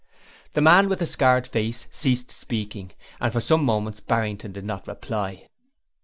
The man with the scarred face ceased speaking, and for some moments Barrington did not reply.